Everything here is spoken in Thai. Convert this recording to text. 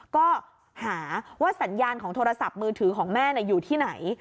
ก็หาว่าสัญญาณของโทรศัพท์มือถือของแม่อยู่ที่ไหน